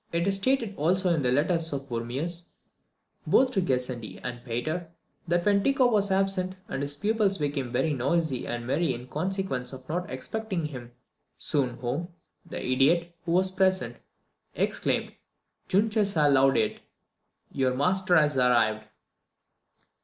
It is stated also in the letters of Wormius, both to Gassendi and Peyter, that when Tycho was absent, and his pupils became very noisy and merry in consequence of not expecting him soon home, the idiot, who was present, exclaimed, Juncher xaa laudit, "Your master has arrived."